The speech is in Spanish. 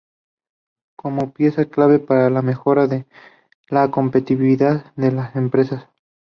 Como pieza clave para la mejora de la competitividad de las empresas.